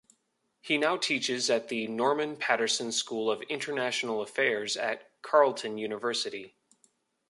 He now teaches at the Norman Paterson School of International Affairs at Carleton University.